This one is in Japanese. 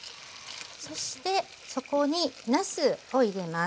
そしてそこになすを入れます。